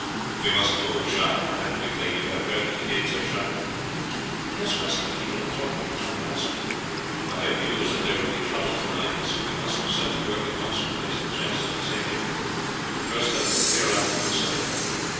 "We must move, Jacques, and that quickly; you have heard that the gates are shut." "Yes, master, people are talking of nothing else." "I have news that there will be trouble to night, so we must set to work at once to place the chests in safety. First let them clear out the wood cellar."